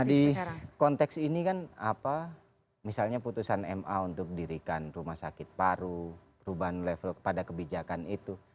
nah di konteks ini kan apa misalnya putusan ma untuk dirikan rumah sakit paru perubahan level kepada kebijakan itu